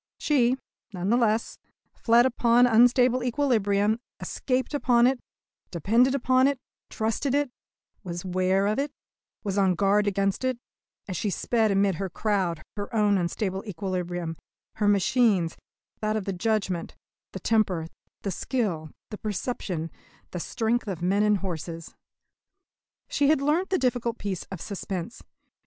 She, none the less, fled upon unstable equilibrium, escaped upon it, depended upon it, trusted it, was 'ware of it, was on guard against it, as she sped amid her crowd her own unstable equilibrium, her machine's, that of the judgment, the temper, the skill, the perception, the strength of men and horses. She had learnt the difficult peace of suspense.